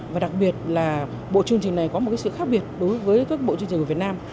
và đặc biệt là bộ chương trình này có một sự khác biệt đối với các bộ chương trình của việt nam